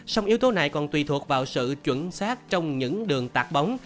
song yếu tố này còn tùy thuộc vào sự chuẩn xác trong những đường tạc bóng